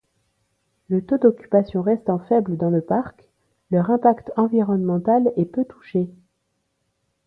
Les taux d'occupation restant faibles dans le parc, leur impact environnemental est peu touché.